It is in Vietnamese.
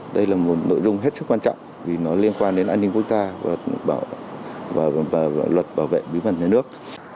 đây là một nội dung hết sức quan trọng vì nó liên quan đến an ninh quốc gia và luật bảo vệ bí phần nhà nước